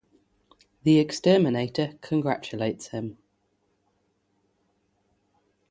The exterminator congratulates him.